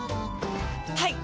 はい！